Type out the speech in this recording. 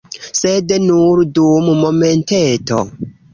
Sed nur dum momenteto.